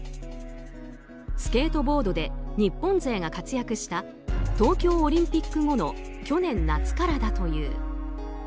スケートボードで日本勢が活躍した東京オリンピック後の去年夏からだという。